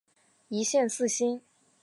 一线四星。